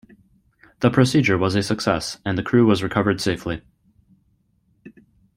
The procedure was a success, and the crew was recovered safely.